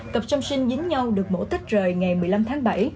cặp song sinh dính nhau được mổ tách rời ngày một mươi năm tháng bảy